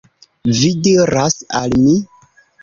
Vi diras al mi